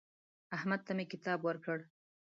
احمد ته مې کتاب ورکړ.